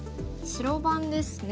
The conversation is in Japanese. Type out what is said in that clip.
白番ですね。